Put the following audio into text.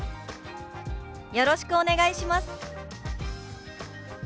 「よろしくお願いします」。